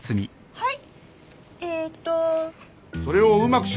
はい。